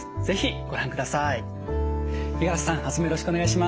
是非ご覧ください。